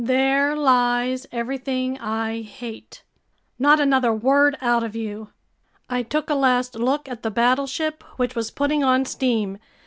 There lies everything I hate! Not another word out of you!" I took a last look at the battleship, which was putting on steam.